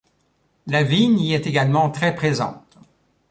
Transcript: La vigne y est également très présente.